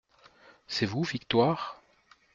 C’est vous Victoire ?